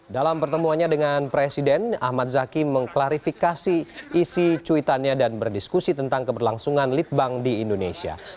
dalam pertemuannya dengan presiden ahmad zaki mengklarifikasi isi cuitannya dan berdiskusi tentang keberlangsungan lead bank di indonesia